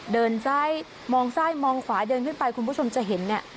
เดินซ้ายมองซ้ายมองขวาเดินขึ้นไปคุณผู้ชมจะเห็นเนี่ย